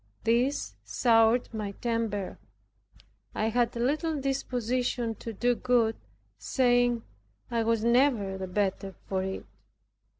This soured my temper. I had little disposition to do good, saying, "I was never the better for it."